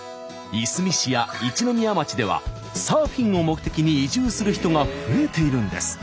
いすみ市や一宮町ではサーフィンを目的に移住する人が増えているんです。